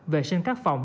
vệ sinh các phòng